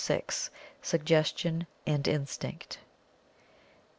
SUGGESTION AND INSTINCT.